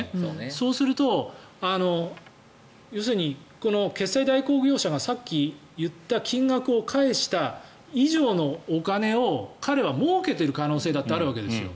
そうすると要するに決済代行業者がさっき言った金額を返した以上のお金を彼はもうけている可能性だってあるわけですよ。